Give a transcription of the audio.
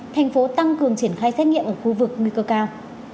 thành phố tăng cường triển khai xét nghiệm ở khu vực nguy cơ cao